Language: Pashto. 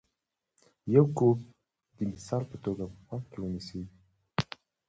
یو کوټ د مثال په توګه په پام کې ونیسئ.